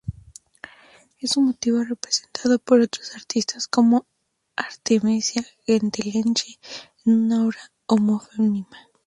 Es un motivo representado por otros artistas como Artemisia Gentileschi en una obra homónima.